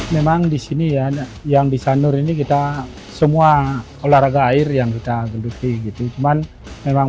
memang di sini ya yang di sanur ini kita semua olahraga air yang kita geluki gitu cuman memang